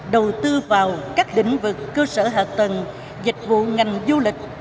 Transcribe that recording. đầu tư vào các lĩnh vực cơ sở hạ tầng dịch vụ ngành du lịch